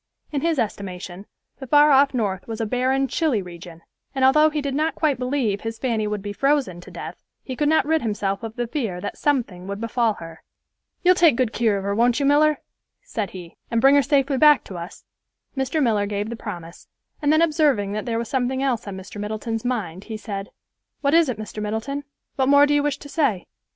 In his estimation the far off North was a barren, chilly region, and although he did not quite believe his Fanny would be frozen to death, he could not rid himself of the fear that something would befall her. "You'll take good keer of her, won't you, Miller?" said he, "and bring her safely back to us?" Mr. Miller gave the promise, and then observing that there was something else on Mr. Middleton's mind, he said, "What is it, Mr. Middleton? What more do you wish to say?"